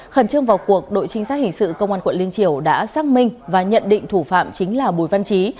khẩn trương vào cuộc đội trinh sát hình sự công an quận liên triều đã xác minh và nhận định thủ phạm chính là bùi văn trí